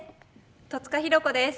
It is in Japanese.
戸塚寛子です。